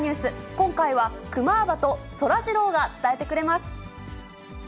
今回はクマーバとそらジローが伝えてくれます。